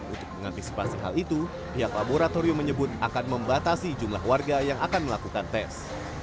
untuk mengantisipasi hal itu pihak laboratorium menyebut akan membatasi jumlah warga yang akan melakukan tes